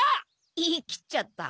言い切っちゃった。